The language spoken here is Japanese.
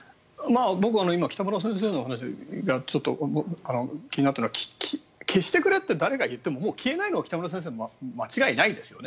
僕は今、北村先生のお話で気になったのは消してくれって誰が言ってももう消えないのは北村先生、間違いないですよね。